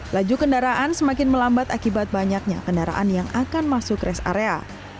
laju kendaraan semakin melambat akibat banyaknya kendaraan yang akan masuk rest area